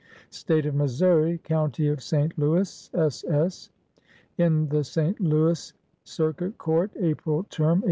11 State of Missouri, County of St. Louis, s. s. u In the St. Louis Circuit Court, April Term, 1854.